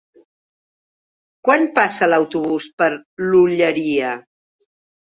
Quan passa l'autobús per l'Olleria?